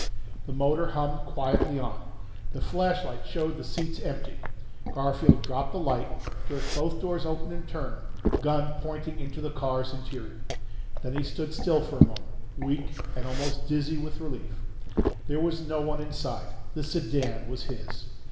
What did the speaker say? The motor hummed quietly on. The flashlight showed the seats empty. Garfield dropped the light, jerked both doors open in turn, gun pointing into the car's interior. Then he stood still for a moment, weak and almost dizzy with relief. There was no one inside. The sedan was his.